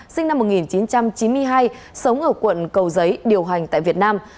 sinh năm một nghìn chín trăm chín mươi hai sống ở quận cầu giấy điều hành tại việt nam